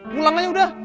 mulang aja udah